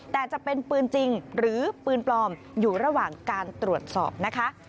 แต่จะเป็นปืนจริงหรือปืนปลอมอยู่ระหว่างการตรวจสอบนะคะ